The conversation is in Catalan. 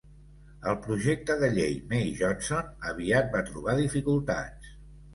El projecte de llei May-Johnson aviat va trobar dificultats.